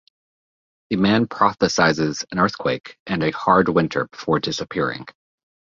The man prophesizes an earthquake and a hard winter before disappearing.